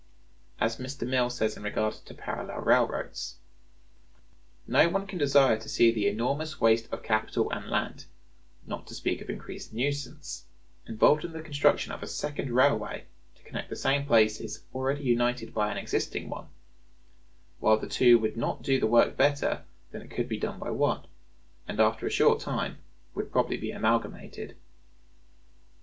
As Mr. Mill says in regard to parallel railroads: "No one can desire to see the enormous waste of capital and land (not to speak of increased nuisance) involved in the construction of a second railway to connect the same places already united by an existing one; while the two would not do the work better than it could be done by one, and after a short time would probably be amalgamated."